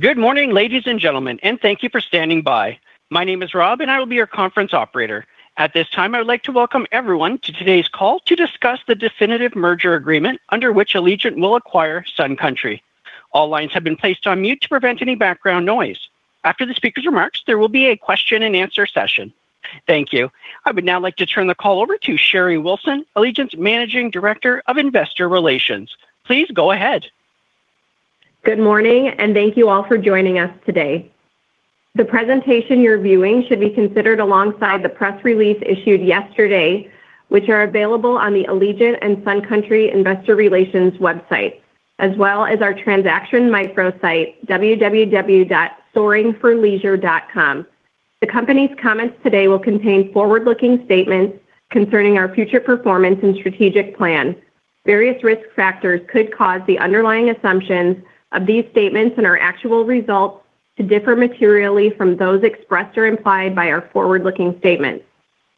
Good morning, ladies and gentlemen, and thank you for standing by. My name is Rob, and I will be your conference operator. At this time, I would like to welcome everyone to today's call to discuss the definitive merger agreement under which Allegiant will acquire Sun Country. All lines have been placed on mute to prevent any background noise. After the speaker's remarks, there will be a question-and-answer session. Thank you. I would now like to turn the call over to Sherry Wilson, Allegiant's Managing Director of Investor Relations. Please go ahead. Good morning, and thank you all for joining us today. The presentation you're viewing should be considered alongside the press release issued yesterday, which are available on the Allegiant and Sun Country Investor Relations website, as well as our transaction micro-site, www.soaringforleisure.com. The company's comments today will contain forward-looking statements concerning our future performance and strategic plan. Various risk factors could cause the underlying assumptions of these statements and our actual results to differ materially from those expressed or implied by our forward-looking statements.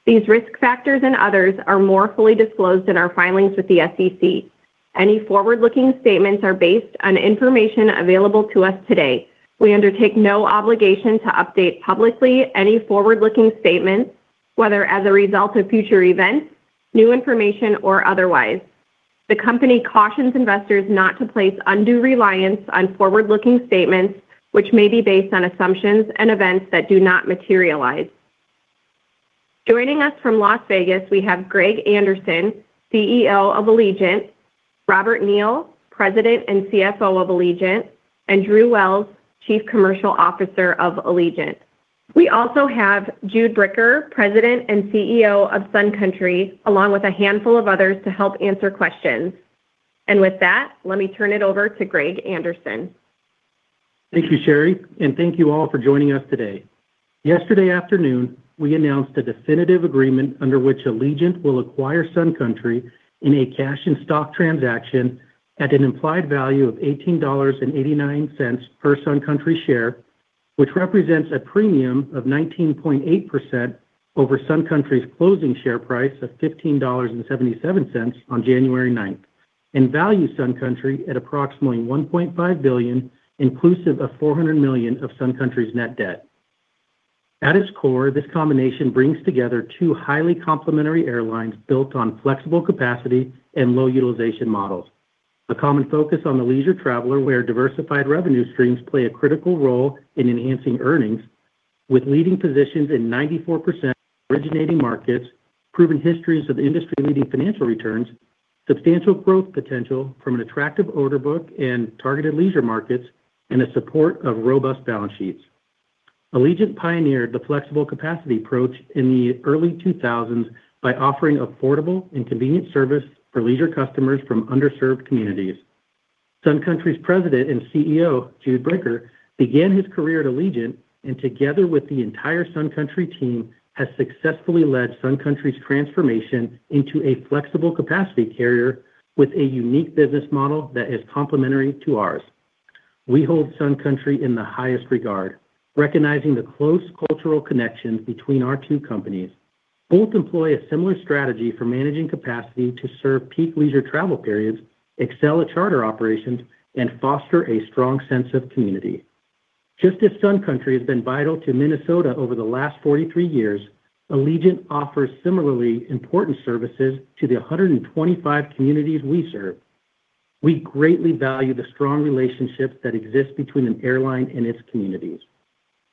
These risk factors and others are more fully disclosed in our filings with the SEC. Any forward-looking statements are based on information available to us today. We undertake no obligation to update publicly any forward-looking statements, whether as a result of future events, new information, or otherwise. The company cautions investors not to place undue reliance on forward-looking statements, which may be based on assumptions and events that do not materialize. Joining us from Las Vegas, we have Greg Anderson, CEO of Allegiant, Robert Neal, President and CFO of Allegiant, and Drew Wells, Chief Commercial Officer of Allegiant. We also have Jude Bricker, President and CEO of Sun Country, along with a handful of others to help answer questions, and with that, let me turn it over to Greg Anderson. Thank you, Sherry, and thank you all for joining us today. Yesterday afternoon, we announced a definitive agreement under which Allegiant will acquire Sun Country in a cash and stock transaction at an implied value of $18.89 per Sun Country share, which represents a premium of 19.8% over Sun Country's closing share price of $15.77 on January 9th, and value Sun Country at approximately $1.5 billion, inclusive of $400 million of Sun Country's net debt. At its core, this combination brings together two highly complementary airlines built on flexible capacity and low utilization models. A common focus on the leisure traveler, where diversified revenue streams play a critical role in enhancing earnings, with leading positions in 94% originating markets, proven histories of industry-leading financial returns, substantial growth potential from an attractive order book and targeted leisure markets, and the support of robust balance sheets. Allegiant pioneered the flexible capacity approach in the early 2000s by offering affordable and convenient service for leisure customers from underserved communities. Sun Country's President and CEO, Jude Bricker, began his career at Allegiant and, together with the entire Sun Country team, has successfully led Sun Country's transformation into a flexible capacity carrier with a unique business model that is complementary to ours. We hold Sun Country in the highest regard, recognizing the close cultural connections between our two companies. Both employ a similar strategy for managing capacity to serve peak leisure travel periods, excel at charter operations, and foster a strong sense of community. Just as Sun Country has been vital to Minnesota over the last 43 years, Allegiant offers similarly important services to the 125 communities we serve. We greatly value the strong relationships that exist between an airline and its communities.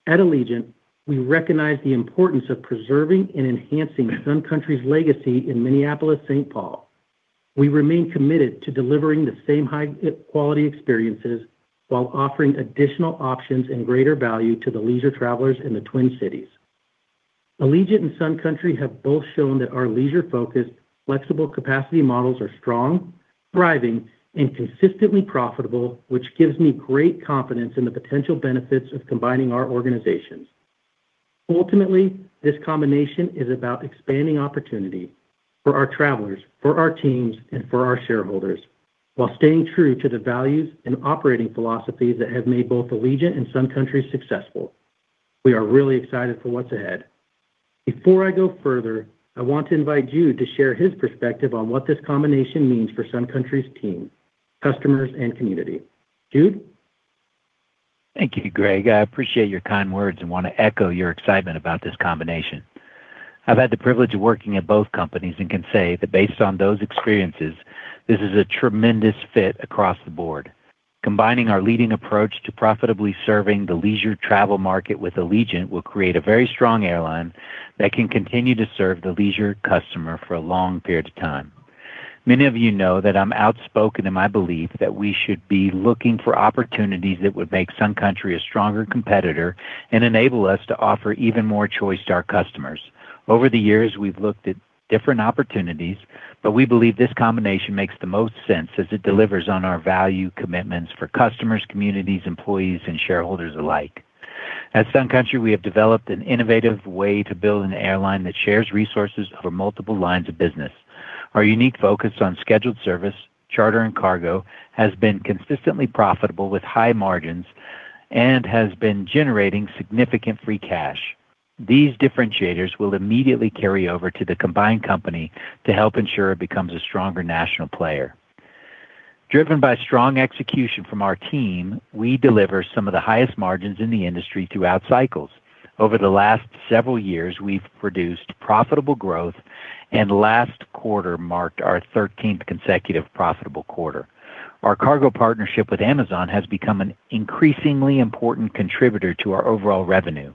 At Allegiant, we recognize the importance of preserving and enhancing Sun Country's legacy in Minneapolis-St. Paul. We remain committed to delivering the same high-quality experiences while offering additional options and greater value to the leisure travelers in the Twin Cities. Allegiant and Sun Country have both shown that our leisure-focused flexible capacity models are strong, thriving, and consistently profitable, which gives me great confidence in the potential benefits of combining our organizations. Ultimately, this combination is about expanding opportunity for our travelers, for our teams, and for our shareholders, while staying true to the values and operating philosophies that have made both Allegiant and Sun Country successful. We are really excited for what's ahead. Before I go further, I want to invite Jude to share his perspective on what this combination means for Sun Country's team, customers, and community. Jude? Thank you, Greg. I appreciate your kind words and want to echo your excitement about this combination. I've had the privilege of working at both companies and can say that based on those experiences, this is a tremendous fit across the board. Combining our leading approach to profitably serving the leisure travel market with Allegiant will create a very strong airline that can continue to serve the leisure customer for a long period of time. Many of you know that I'm outspoken in my belief that we should be looking for opportunities that would make Sun Country a stronger competitor and enable us to offer even more choice to our customers. Over the years, we've looked at different opportunities, but we believe this combination makes the most sense as it delivers on our value commitments for customers, communities, employees, and shareholders alike. At Sun Country, we have developed an innovative way to build an airline that shares resources over multiple lines of business. Our unique focus on scheduled service, charter, and cargo has been consistently profitable with high margins and has been generating significant free cash. These differentiators will immediately carry over to the combined company to help ensure it becomes a stronger national player. Driven by strong execution from our team, we deliver some of the highest margins in the industry throughout cycles. Over the last several years, we've produced profitable growth, and last quarter marked our 13th consecutive profitable quarter. Our cargo partnership with Amazon has become an increasingly important contributor to our overall revenue.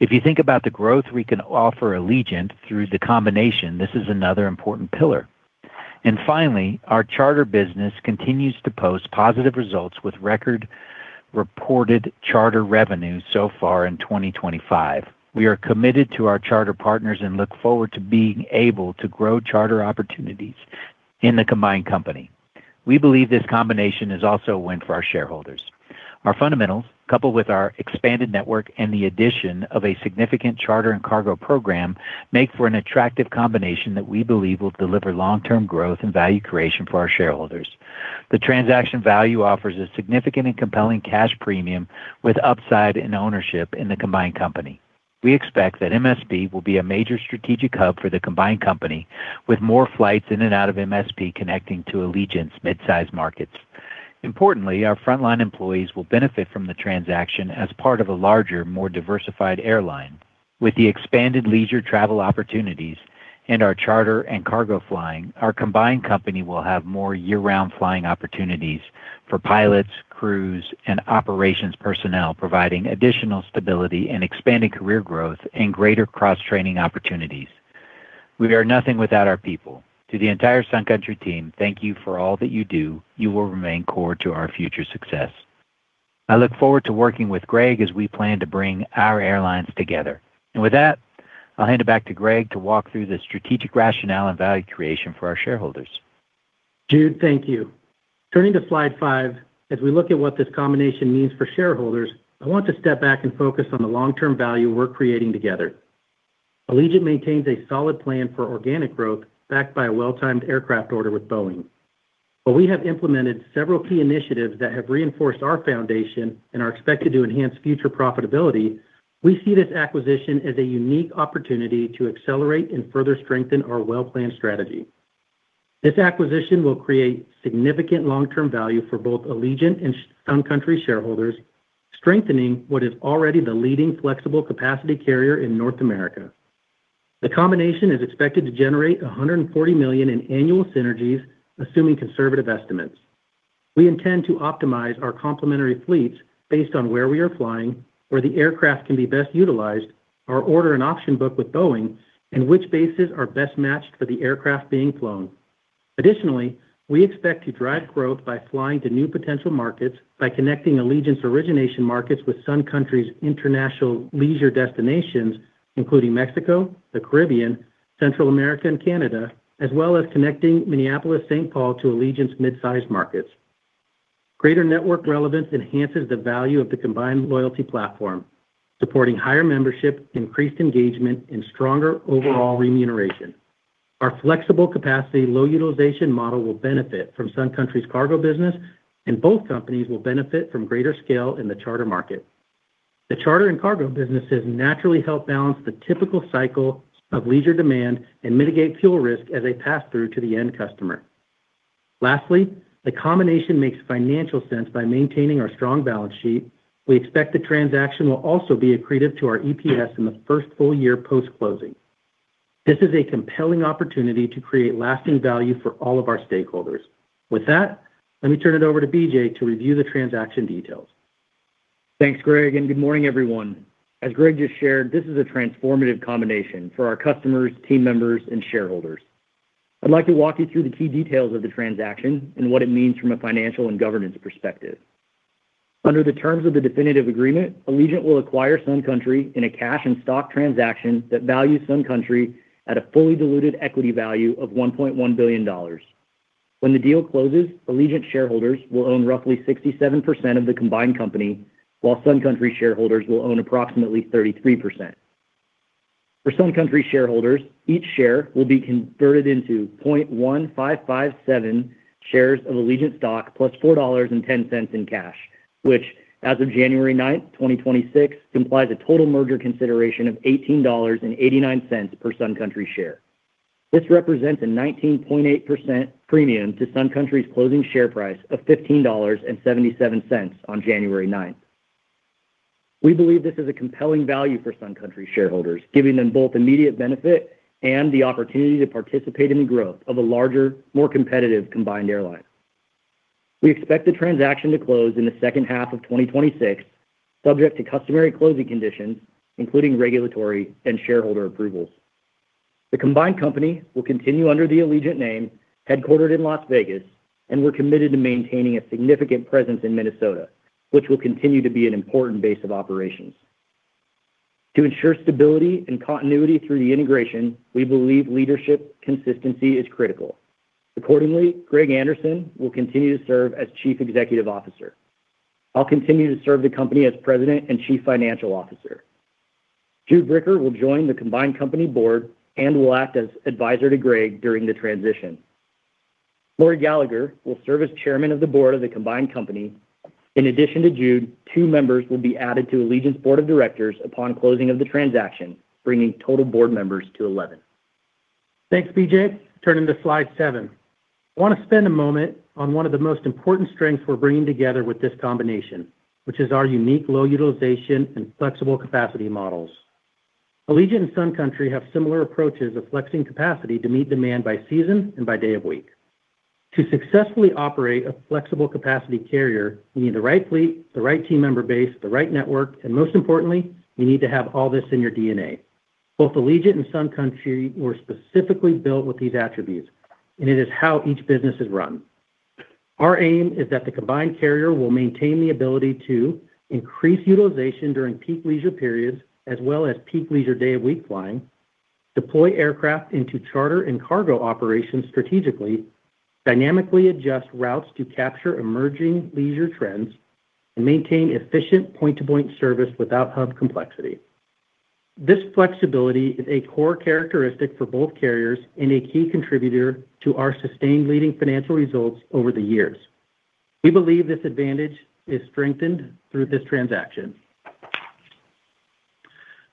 If you think about the growth we can offer Allegiant through the combination, this is another important pillar. And finally, our charter business continues to post positive results with record-reported charter revenue so far in 2025. We are committed to our charter partners and look forward to being able to grow charter opportunities in the combined company. We believe this combination is also a win for our shareholders. Our fundamentals, coupled with our expanded network and the addition of a significant charter and cargo program, make for an attractive combination that we believe will deliver long-term growth and value creation for our shareholders. The transaction value offers a significant and compelling cash premium with upside in ownership in the combined company. We expect that MSP will be a major strategic hub for the combined company, with more flights in and out of MSP connecting to Allegiant's mid-size markets. Importantly, our frontline employees will benefit from the transaction as part of a larger, more diversified airline. With the expanded leisure travel opportunities and our charter and cargo flying, our combined company will have more year-round flying opportunities for pilots, crews, and operations personnel, providing additional stability and expanded career growth and greater cross-training opportunities. We are nothing without our people. To the entire Sun Country team, thank you for all that you do. You will remain core to our future success. I look forward to working with Greg as we plan to bring our airlines together. And with that, I'll hand it back to Greg to walk through the strategic rationale and value creation for our shareholders. Jude, thank you. Turning to slide five, as we look at what this combination means for shareholders, I want to step back and focus on the long-term value we're creating together. Allegiant maintains a solid plan for organic growth backed by a well-timed aircraft order with Boeing. While we have implemented several key initiatives that have reinforced our foundation and are expected to enhance future profitability, we see this acquisition as a unique opportunity to accelerate and further strengthen our well-planned strategy. This acquisition will create significant long-term value for both Allegiant and Sun Country shareholders, strengthening what is already the leading flexible capacity carrier in North America. The combination is expected to generate $140 million in annual synergies, assuming conservative estimates. We intend to optimize our complementary fleets based on where we are flying, where the aircraft can be best utilized, our order and option book with Boeing, and which bases are best matched for the aircraft being flown. Additionally, we expect to drive growth by flying to new potential markets, by connecting Allegiant's origination markets with Sun Country's international leisure destinations, including Mexico, the Caribbean, Central America, and Canada, as well as connecting Minneapolis-St. Paul to Allegiant's mid-size markets. Greater network relevance enhances the value of the combined loyalty platform, supporting higher membership, increased engagement, and stronger overall remuneration. Our flexible capacity, low utilization model will benefit from Sun Country's cargo business, and both companies will benefit from greater scale in the charter market. The charter and cargo businesses naturally help balance the typical cycle of leisure demand and mitigate fuel risk as they pass through to the end customer. Lastly, the combination makes financial sense by maintaining our strong balance sheet. We expect the transaction will also be accretive to our EPS in the first full year post-closing. This is a compelling opportunity to create lasting value for all of our stakeholders. With that, let me turn it over to BJ to review the transaction details. Thanks, Greg, and good morning, everyone. As Greg just shared, this is a transformative combination for our customers, team members, and shareholders. I'd like to walk you through the key details of the transaction and what it means from a financial and governance perspective. Under the terms of the definitive agreement, Allegiant will acquire Sun Country in a cash and stock transaction that values Sun Country at a fully diluted equity value of $1.1 billion. When the deal closes, Allegiant shareholders will own roughly 67% of the combined company, while Sun Country shareholders will own approximately 33%. For Sun Country shareholders, each share will be converted into 0.1557 shares of Allegiant stock plus $4.10 in cash, which, as of January 9th, 2025, implies a total merger consideration of $18.89 per Sun Country share. This represents a 19.8% premium to Sun Country's closing share price of $15.77 on January 9th. We believe this is a compelling value for Sun Country shareholders, giving them both immediate benefit and the opportunity to participate in the growth of a larger, more competitive combined airline. We expect the transaction to close in the second half of 2026, subject to customary closing conditions, including regulatory and shareholder approvals. The combined company will continue under the Allegiant name, headquartered in Las Vegas, and we're committed to maintaining a significant presence in Minnesota, which will continue to be an important base of operations. To ensure stability and continuity through the integration, we believe leadership consistency is critical. Accordingly, Greg Anderson will continue to serve as Chief Executive Officer. I'll continue to serve the company as President and Chief Financial Officer. Jude Bricker will join the combined company board and will act as advisor to Greg during the transition. Maury Gallagher will serve as Chairman of the Board of the combined company. In addition to Jude, two members will be added to Allegiant's board of directors upon closing of the transaction, bringing total board members to 11. Thanks, BJ. Turning to slide seven, I want to spend a moment on one of the most important strengths we're bringing together with this combination, which is our unique low utilization and flexible capacity models. Allegiant and Sun Country have similar approaches of flexing capacity to meet demand by season and by day of week. To successfully operate a flexible capacity carrier, you need the right fleet, the right team member base, the right network, and most importantly, you need to have all this in your DNA. Both Allegiant and Sun Country were specifically built with these attributes, and it is how each business is run. Our aim is that the combined carrier will maintain the ability to increase utilization during peak leisure periods, as well as peak leisure day of week flying, deploy aircraft into charter and cargo operations strategically, dynamically adjust routes to capture emerging leisure trends, and maintain efficient point-to-point service without hub complexity. This flexibility is a core characteristic for both carriers and a key contributor to our sustained leading financial results over the years. We believe this advantage is strengthened through this transaction,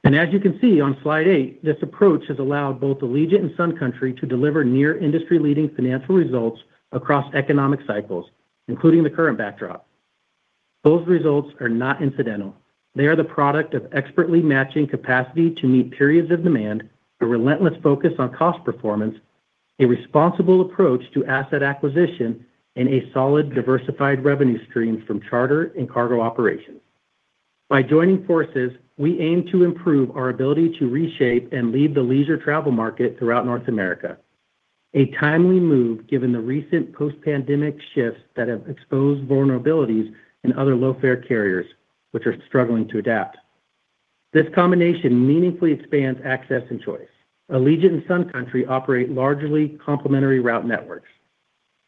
and as you can see on slide eight, this approach has allowed both Allegiant and Sun Country to deliver near industry-leading financial results across economic cycles, including the current backdrop. Those results are not incidental. They are the product of expertly matching capacity to meet periods of demand, a relentless focus on cost performance, a responsible approach to asset acquisition, and a solid diversified revenue stream from charter and cargo operations. By joining forces, we aim to improve our ability to reshape and lead the leisure travel market throughout North America, a timely move given the recent post-pandemic shifts that have exposed vulnerabilities in other low-fare carriers, which are struggling to adapt. This combination meaningfully expands access and choice. Allegiant and Sun Country operate largely complementary route networks.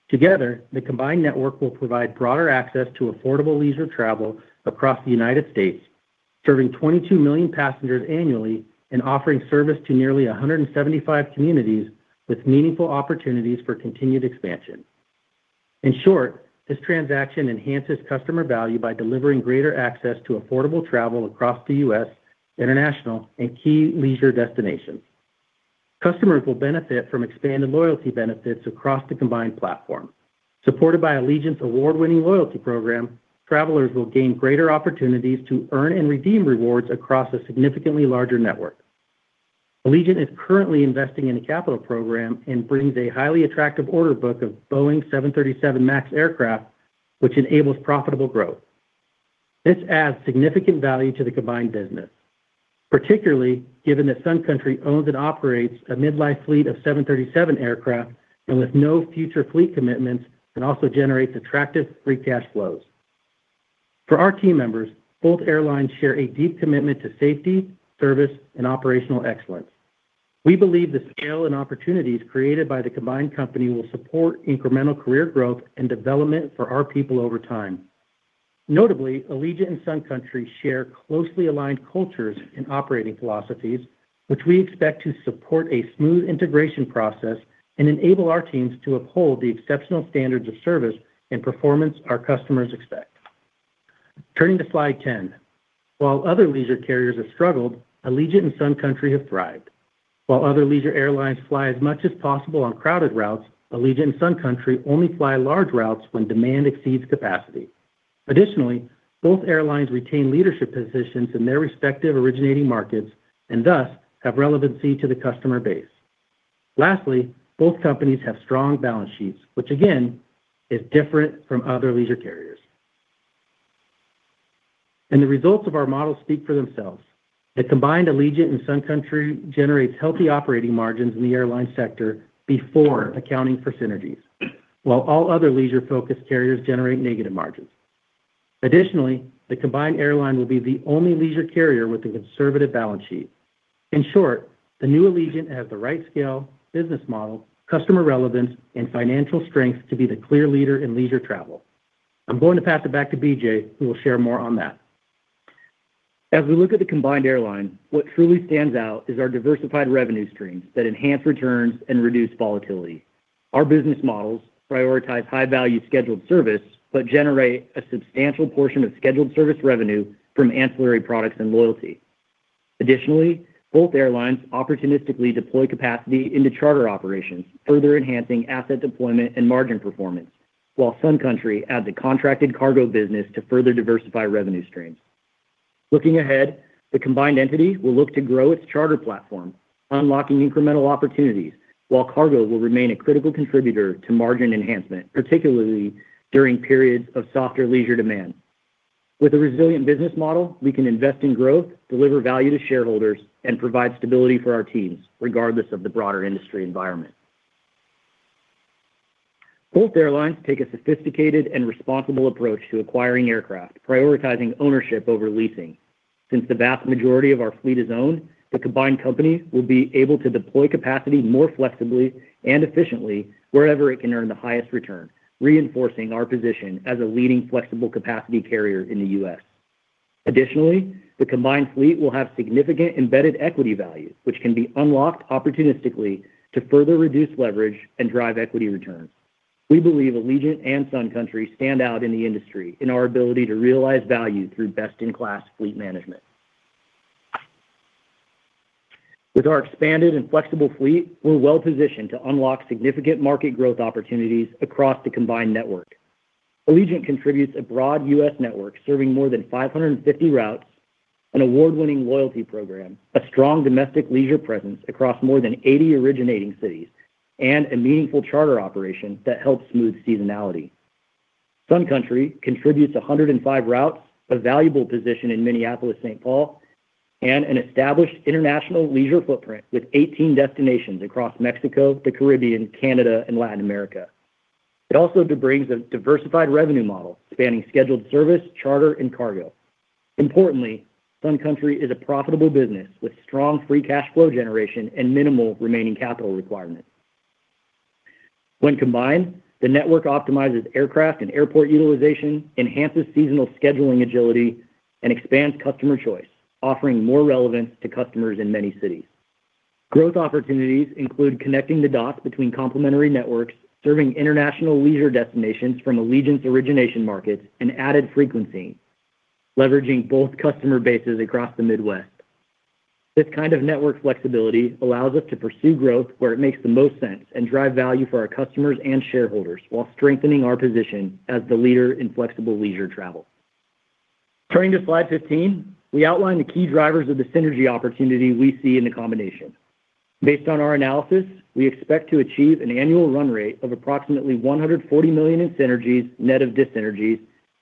Together, the combined network will provide broader access to affordable leisure travel across the United States, serving 22 million passengers annually and offering service to nearly 175 communities with meaningful opportunities for continued expansion. In short, this transaction enhances customer value by delivering greater access to affordable travel across the U.S., international, and key leisure destinations. Customers will benefit from expanded loyalty benefits across the combined platform. Supported by Allegiant's award-winning loyalty program, travelers will gain greater opportunities to earn and redeem rewards across a significantly larger network. Allegiant is currently investing in a capital program and brings a highly attractive order book of Boeing 737 MAX aircraft, which enables profitable growth. This adds significant value to the combined business, particularly given that Sun Country owns and operates a mid-life fleet of 737 aircraft and with no future fleet commitments and also generates attractive free cash flows. For our team members, both airlines share a deep commitment to safety, service, and operational excellence. We believe the scale and opportunities created by the combined company will support incremental career growth and development for our people over time. Notably, Allegiant and Sun Country share closely aligned cultures and operating philosophies, which we expect to support a smooth integration process and enable our teams to uphold the exceptional standards of service and performance our customers expect. Turning to slide 10, while other leisure carriers have struggled, Allegiant and Sun Country have thrived. While other leisure airlines fly as much as possible on crowded routes, Allegiant and Sun Country only fly large routes when demand exceeds capacity. Additionally, both airlines retain leadership positions in their respective originating markets and thus have relevancy to the customer base. Lastly, both companies have strong balance sheets, which again is different from other leisure carriers, and the results of our model speak for themselves. The combined Allegiant and Sun Country generates healthy operating margins in the airline sector before accounting for synergies, while all other leisure-focused carriers generate negative margins. Additionally, the combined airline will be the only leisure carrier with a conservative balance sheet. In short, the new Allegiant has the right scale, business model, customer relevance, and financial strength to be the clear leader in leisure travel. I'm going to pass it back to BJ, who will share more on that. As we look at the combined airline, what truly stands out is our diversified revenue streams that enhance returns and reduce volatility. Our business models prioritize high-value scheduled service but generate a substantial portion of scheduled service revenue from ancillary products and loyalty. Additionally, both airlines opportunistically deploy capacity into charter operations, further enhancing asset deployment and margin performance, while Sun Country adds a contracted cargo business to further diversify revenue streams. Looking ahead, the combined entity will look to grow its charter platform, unlocking incremental opportunities, while cargo will remain a critical contributor to margin enhancement, particularly during periods of softer leisure demand. With a resilient business model, we can invest in growth, deliver value to shareholders, and provide stability for our teams, regardless of the broader industry environment. Both airlines take a sophisticated and responsible approach to acquiring aircraft, prioritizing ownership over leasing. Since the vast majority of our fleet is owned, the combined company will be able to deploy capacity more flexibly and efficiently wherever it can earn the highest return, reinforcing our position as a leading flexible capacity carrier in the U.S. Additionally, the combined fleet will have significant embedded equity value, which can be unlocked opportunistically to further reduce leverage and drive equity returns. We believe Allegiant and Sun Country stand out in the industry in our ability to realize value through best-in-class fleet management. With our expanded and flexible fleet, we're well-positioned to unlock significant market growth opportunities across the combined network. Allegiant contributes a broad U.S. network serving more than 550 routes, an award-winning loyalty program, a strong domestic leisure presence across more than 80 originating cities, and a meaningful charter operation that helps smooth seasonality. Sun Country contributes 105 routes, a valuable position in Minneapolis-St. Paul, and an established international leisure footprint with 18 destinations across Mexico, the Caribbean, Canada, and Latin America. It also brings a diversified revenue model spanning scheduled service, charter, and cargo. Importantly, Sun Country is a profitable business with strong free cash flow generation and minimal remaining capital requirements. When combined, the network optimizes aircraft and airport utilization, enhances seasonal scheduling agility, and expands customer choice, offering more relevance to customers in many cities. Growth opportunities include connecting the dots between complementary networks, serving international leisure destinations from Allegiant's origination markets and added frequency, leveraging both customer bases across the Midwest. This kind of network flexibility allows us to pursue growth where it makes the most sense and drive value for our customers and shareholders while strengthening our position as the leader in flexible leisure travel. Turning to slide 15, we outline the key drivers of the synergy opportunity we see in the combination. Based on our analysis, we expect to achieve an annual run rate of approximately $140 million in synergies net of dissynergies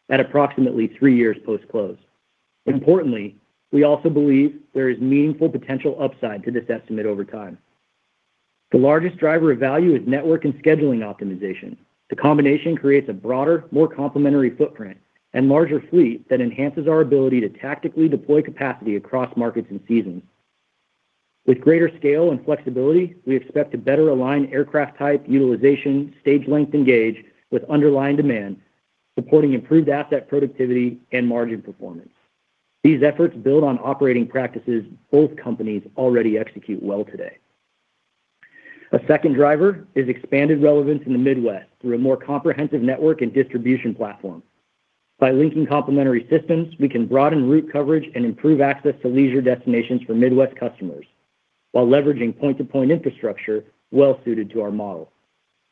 at approximately three years post-close. Importantly, we also believe there is meaningful potential upside to this estimate over time. The largest driver of value is network and scheduling optimization. The combination creates a broader, more complementary footprint and larger fleet that enhances our ability to tactically deploy capacity across markets and seasons. With greater scale and flexibility, we expect to better align aircraft type, utilization, stage length, and gauge with underlying demand, supporting improved asset productivity and margin performance. These efforts build on operating practices both companies already execute well today. A second driver is expanded relevance in the Midwest through a more comprehensive network and distribution platform. By linking complementary systems, we can broaden route coverage and improve access to leisure destinations for Midwest customers while leveraging point-to-point infrastructure well-suited to our model.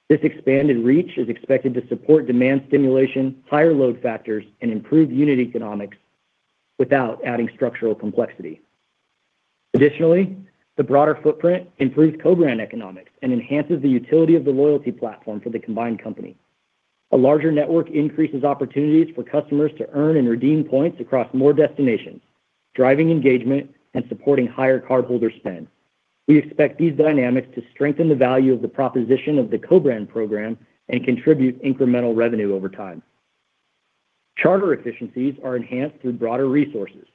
This expanded reach is expected to support demand stimulation, higher load factors, and improved unit economics without adding structural complexity. Additionally, the broader footprint improves co-brand economics and enhances the utility of the loyalty platform for the combined company. A larger network increases opportunities for customers to earn and redeem points across more destinations, driving engagement and supporting higher cardholder spend. We expect these dynamics to strengthen the value of the proposition of the co-brand program and contribute incremental revenue over time. Charter efficiencies are enhanced through broader resources.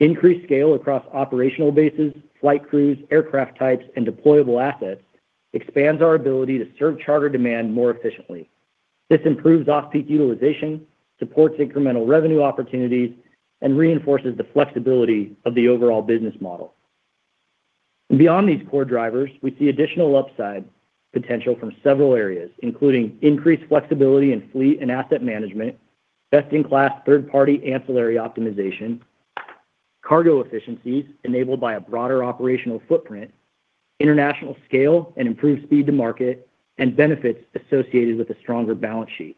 Increased scale across operational bases, flight crews, aircraft types, and deployable assets expands our ability to serve charter demand more efficiently. This improves off-peak utilization, supports incremental revenue opportunities, and reinforces the flexibility of the overall business model. Beyond these core drivers, we see additional upside potential from several areas, including increased flexibility in fleet and asset management, best-in-class third-party ancillary optimization, cargo efficiencies enabled by a broader operational footprint, international scale and improved speed to market, and benefits associated with a stronger balance sheet.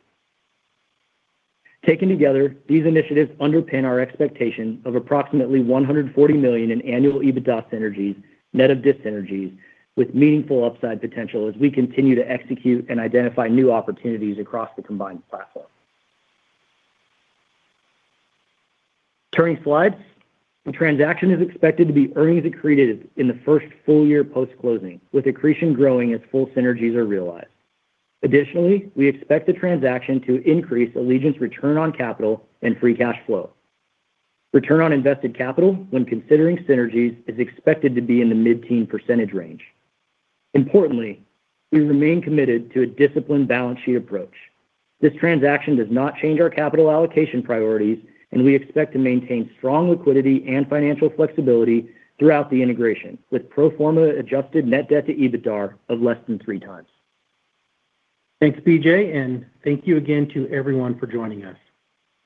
Taken together, these initiatives underpin our expectation of approximately $140 million in annual EBITDA synergies net of dissynergies with meaningful upside potential as we continue to execute and identify new opportunities across the combined platform. Turning slides, the transaction is expected to be earnings accretive in the first full year post-closing, with accretion growing as full synergies are realized. Additionally, we expect the transaction to increase Allegiant's return on capital and free cash flow. Return on invested capital when considering synergies is expected to be in the mid-teen percentage range. Importantly, we remain committed to a disciplined balance sheet approach. This transaction does not change our capital allocation priorities, and we expect to maintain strong liquidity and financial flexibility throughout the integration with pro forma adjusted net debt to EBITDA of less than three times. Thanks, BJ, and thank you again to everyone for joining us.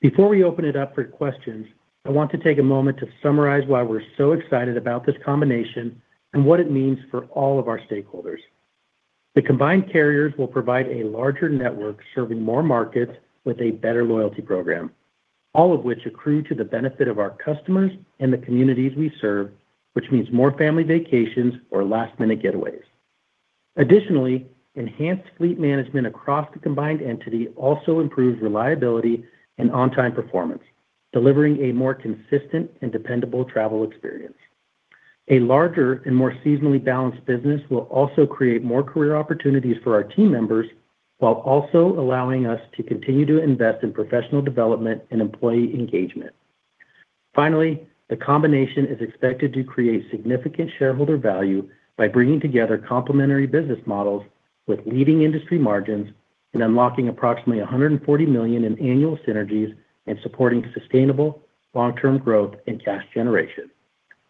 Before we open it up for questions, I want to take a moment to summarize why we're so excited about this combination and what it means for all of our stakeholders. The combined carriers will provide a larger network serving more markets with a better loyalty program, all of which accrue to the benefit of our customers and the communities we serve, which means more family vacations or last-minute getaways. Additionally, enhanced fleet management across the combined entity also improves reliability and on-time performance, delivering a more consistent and dependable travel experience. A larger and more seasonally balanced business will also create more career opportunities for our team members while also allowing us to continue to invest in professional development and employee engagement. Finally, the combination is expected to create significant shareholder value by bringing together complementary business models with leading industry margins and unlocking approximately $140 million in annual synergies and supporting sustainable long-term growth and cash generation.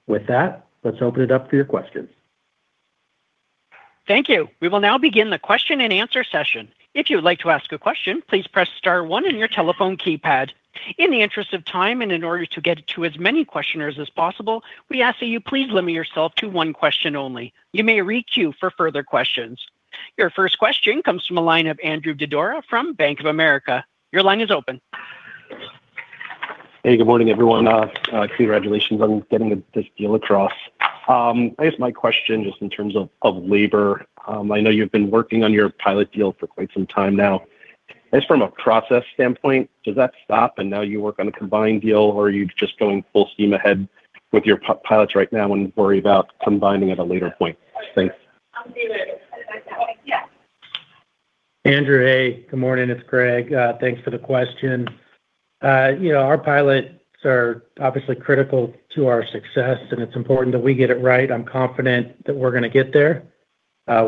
With that, let's open it up for your questions. Thank you. We will now begin the question and answer session. If you'd like to ask a question, please press star one in your telephone keypad. In the interest of time and in order to get to as many questioners as possible, we ask that you please limit yourself to one question only. You may re-queue for further questions. Your first question comes from a line of Andrew Didora from Bank of America. Your line is open. Hey, good morning, everyone. Congratulations on getting this deal across. I guess my question just in terms of labor. I know you've been working on your pilot deal for quite some time now. I guess from a process standpoint, does that stop and now you work on a combined deal or are you just going full steam ahead with your pilots right now and worry about combining at a later point? Thanks. Andrew, hey, good morning. It's Greg. Thanks for the question. Our pilots are obviously critical to our success, and it's important that we get it right. I'm confident that we're going to get there.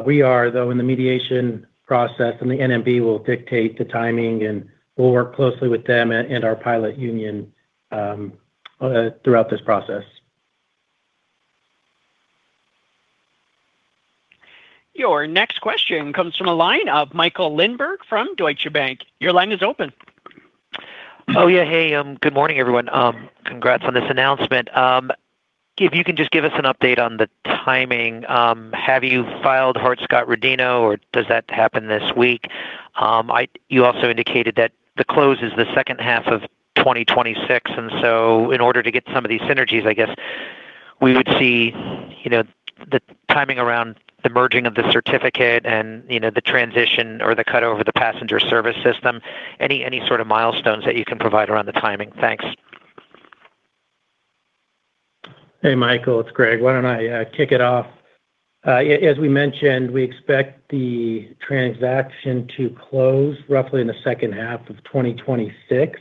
We are, though, in the mediation process, and the NMB will dictate the timing, and we'll work closely with them and our pilot union throughout this process. Your next question comes from a line of Michael Linenberg from Deutsche Bank. Your line is open. Oh, yeah. Hey, good morning, everyone. Congrats on this announcement. If you can just give us an update on the timing. Have you filed Hart-Scott-Rodino, or does that happen this week? You also indicated that the close is the second half of 2026. And so in order to get some of these synergies, I guess we would see the timing around the merging of the certificate and the transition or the cutover of the passenger service system. Any sort of milestones that you can provide around the timing? Thanks. Hey, Michael, it's Greg. Why don't I kick it off? As we mentioned, we expect the transaction to close roughly in the second half of 2026.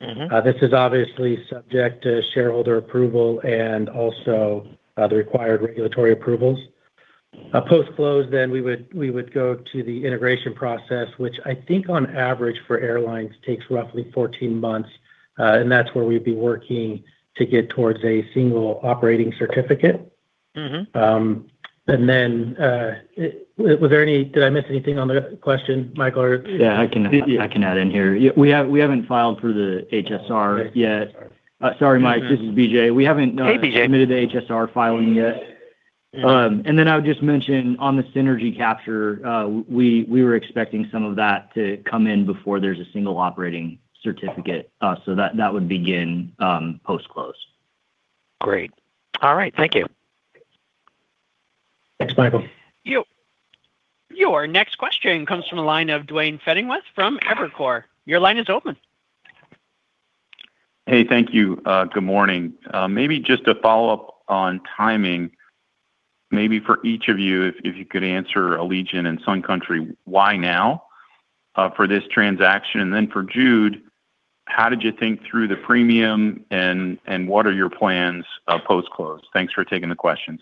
This is obviously subject to shareholder approval and also the required regulatory approvals. Post-close, then we would go to the integration process, which I think on average for airlines takes roughly 14 months, and that's where we'd be working to get towards a single operating certificate. And then, was there any - did I miss anything on the question, Michael? Yeah, I can add in here. We haven't filed for the HSR yet. Sorry, Mike, this is BJ. We haven't submitted the HSR filing yet. And then I would just mention on the synergy capture, we were expecting some of that to come in before there's a single operating certificate, so that would begin post-close. Great. All right. Thank you. Thanks, Michael. Your next question comes from a line of Duane Pfennigwerth from Evercore. Your line is open. Hey, thank you. Good morning. Maybe just a follow-up on timing. Maybe for each of you, if you could answer Allegiant and Sun Country, why now for this transaction? And then for Jude, how did you think through the premium, and what are your plans post-close? Thanks for taking the questions.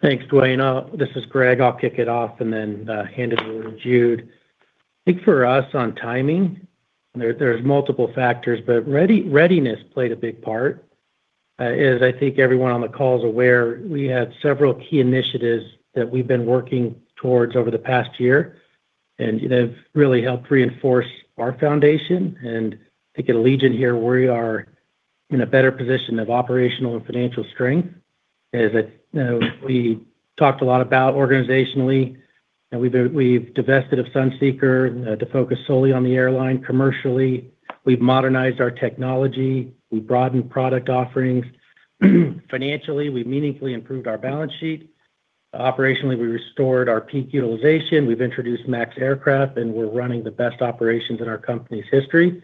Thanks, Duane. This is Greg. I'll kick it off and then hand it over to Jude. I think for us on timing, there are multiple factors, but readiness played a big part. As I think everyone on the call is aware, we had several key initiatives that we've been working towards over the past year, and they've really helped reinforce our foundation, and I think at Allegiant here, we are in a better position of operational and financial strength. As we talked a lot about organizationally, we've divested of Sunseeker to focus solely on the airline. Commercially, we've modernized our technology. We've broadened product offerings. Financially, we've meaningfully improved our balance sheet. Operationally, we restored our peak utilization. We've introduced MAX aircraft, and we're running the best operations in our company's history.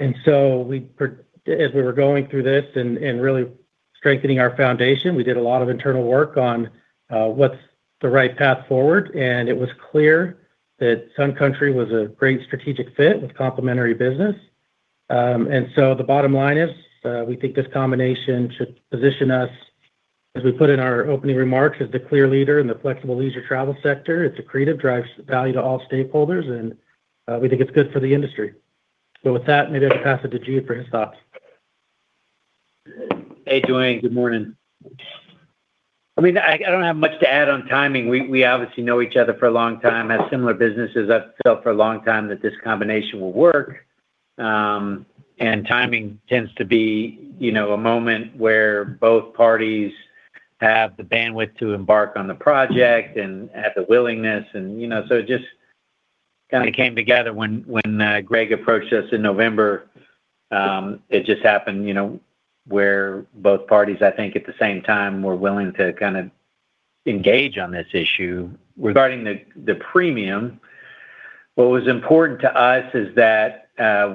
And so as we were going through this and really strengthening our foundation, we did a lot of internal work on what's the right path forward, and it was clear that Sun Country was a great strategic fit with complementary business. And so the bottom line is we think this combination should position us, as we put in our opening remarks, as the clear leader in the flexible leisure travel sector. It's accretive, drives value to all stakeholders, and we think it's good for the industry. But with that, maybe I'll pass it to Jude for his thoughts. Hey, Duane. Good morning. I mean, I don't have much to add on timing. We obviously know each other for a long time, have similar businesses. I've felt for a long time that this combination will work. And timing tends to be a moment where both parties have the bandwidth to embark on the project and have the willingness. And so it just kind of came together when Greg approached us in November. It just happened where both parties, I think at the same time, were willing to kind of engage on this issue. Regarding the premium, what was important to us is that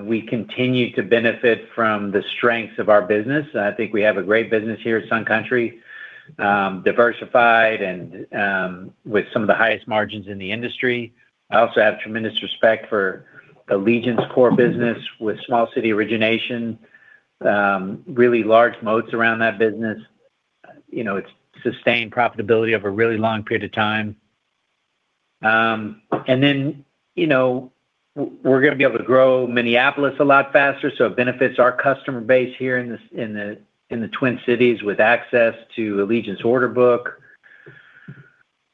we continue to benefit from the strengths of our business. I think we have a great business here at Sun Country, diversified and with some of the highest margins in the industry. I also have tremendous respect for Allegiant's core business with small city origination, really large moats around that business. It's sustained profitability over a really long period of time. And then we're going to be able to grow Minneapolis a lot faster, so it benefits our customer base here in the Twin Cities with access to Allegiant's order book.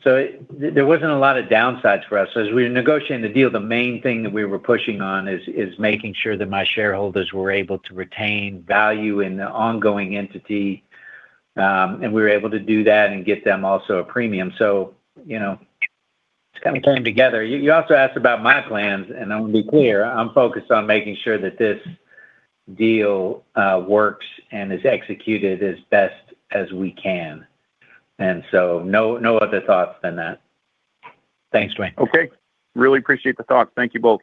So there wasn't a lot of downsides for us. As we were negotiating the deal, the main thing that we were pushing on is making sure that my shareholders were able to retain value in the ongoing entity, and we were able to do that and get them also a premium. So it's kind of came together. You also asked about my plans, and I want to be clear. I'm focused on making sure that this deal works and is executed as best as we can. And so no other thoughts than that. Thanks, Duane. Okay. Really appreciate the thoughts. Thank you both.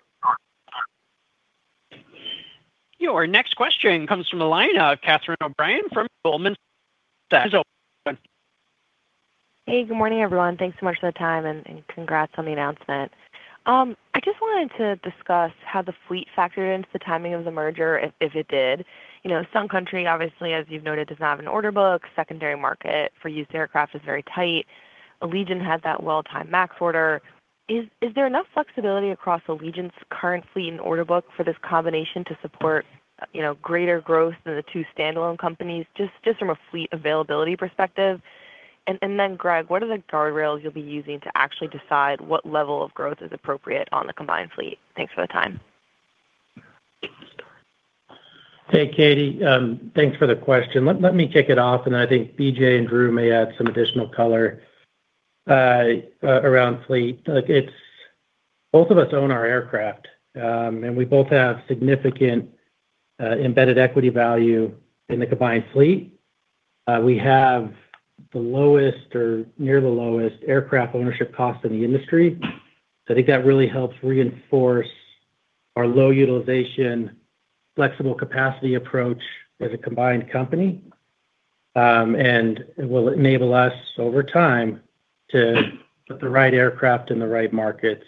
Your next question comes from a line of Catherine O'Brien from Goldman Sachs. Hey, good morning, everyone. Thanks so much for the time, and congrats on the announcement. I just wanted to discuss how the fleet factored into the timing of the merger, if it did. Sun Country, obviously, as you've noted, does not have an order book. Secondary market for used aircraft is very tight. Allegiant has that well-timed MAX order. Is there enough flexibility across Allegiant's current fleet and order book for this combination to support greater growth than the two standalone companies just from a fleet availability perspective? And then, Greg, what are the guardrails you'll be using to actually decide what level of growth is appropriate on the combined fleet? Thanks for the time. Hey, Catie. Thanks for the question. Let me kick it off, and I think BJ and Drew may add some additional color around fleet. Both of us own our aircraft, and we both have significant embedded equity value in the combined fleet. We have the lowest or near the lowest aircraft ownership cost in the industry. I think that really helps reinforce our low utilization flexible capacity approach as a combined company and will enable us over time to put the right aircraft in the right markets.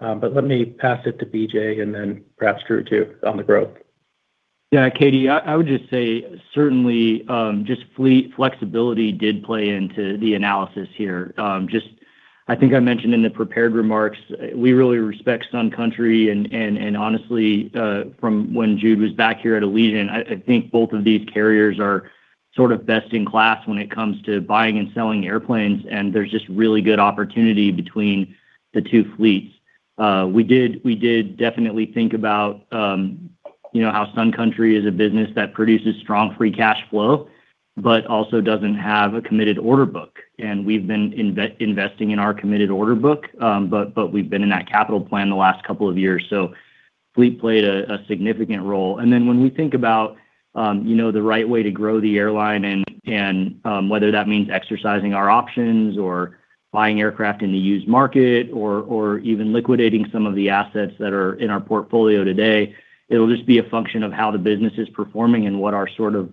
But let me pass it to BJ and then perhaps Drew too on the growth. Yeah, Catie, I would just say certainly just fleet flexibility did play into the analysis here. Just I think I mentioned in the prepared remarks, we really respect Sun Country. Honestly, from when Jude was back here at Allegiant, I think both of these carriers are sort of best in class when it comes to buying and selling airplanes, and there's just really good opportunity between the two fleets. We did definitely think about how Sun Country is a business that produces strong free cash flow, but also doesn't have a committed order book, and we've been investing in our committed order book, but we've been in that capital plan the last couple of years. Fleet played a significant role. Then when we think about the right way to grow the airline and whether that means exercising our options or buying aircraft in the used market or even liquidating some of the assets that are in our portfolio today, it'll just be a function of how the business is performing and what our sort of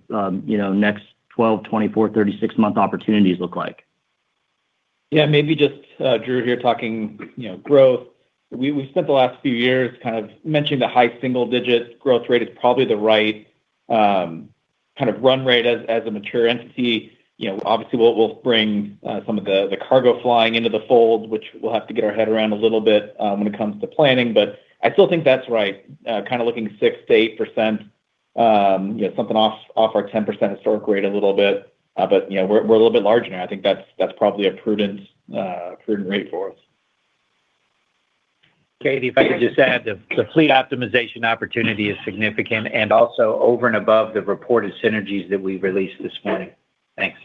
next 12, 24, 36-month opportunities look like. Yeah, maybe just Drew here talking growth. We've spent the last few years kind of mentioning the high single-digit growth rate is probably the right kind of run rate as a mature entity. Obviously, we'll bring some of the cargo flying into the fold, which we'll have to get our head around a little bit when it comes to planning. But I still think that's right. Kind of looking 6%-8%, something off our 10% historic rate a little bit. But we're a little bit larger now. I think that's probably a prudent rate for us. Catie, if I could just add, the fleet optimization opportunity is significant and also over and above the reported synergies that we've released this morning. Thanks.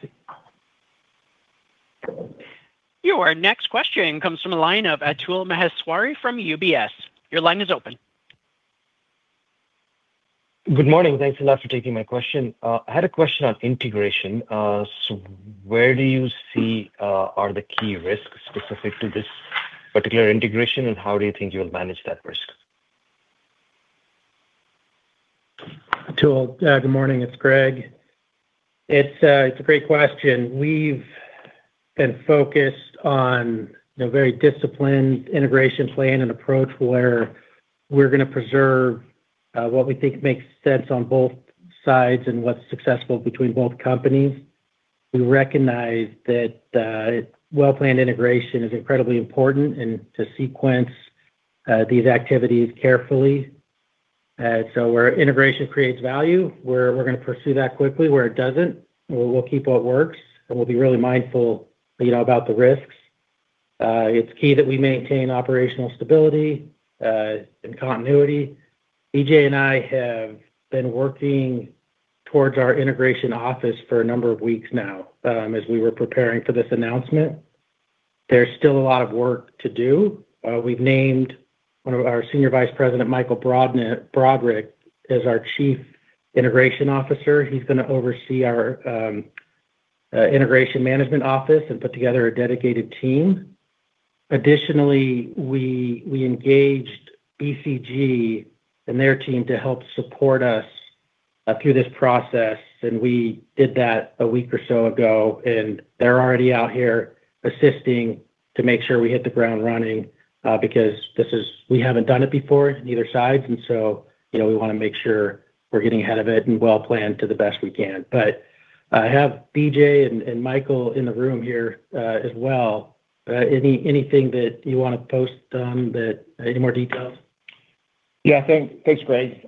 Your next question comes from a line of Atul Maheswari from UBS. Your line is open. Good morning. Thanks a lot for taking my question. I had a question on integration. So where do you see are the key risks specific to this particular integration, and how do you think you'll manage that risk? Atul, good morning. It's Greg. It's a great question. We've been focused on a very disciplined integration plan and approach where we're going to preserve what we think makes sense on both sides and what's successful between both companies. We recognize that well-planned integration is incredibly important and to sequence these activities carefully. So where integration creates value, we're going to pursue that quickly. Where it doesn't, we'll keep what works, and we'll be really mindful about the risks. It's key that we maintain operational stability and continuity. BJ and I have been working towards our integration office for a number of weeks now as we were preparing for this announcement. There's still a lot of work to do. We've named one of our Senior Vice President, Michael Broderick, as our Chief Integration Officer. He's going to oversee our integration management office and put together a dedicated team. Additionally, we engaged BCG and their team to help support us through this process, and we did that a week or so ago. And they're already out here assisting to make sure we hit the ground running because we haven't done it before on either side. And so we want to make sure we're getting ahead of it and well-planned to the best we can. But I have BJ and Michael in the room here as well. Anything that you want to post on that? Any more details? Yeah, thanks, Greg.